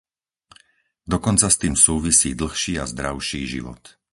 Dokonca s tým súvisí dlhší a zdravší život.